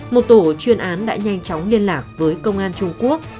một tổ chuyên án đã nhanh chóng liên lạc với công an trung quốc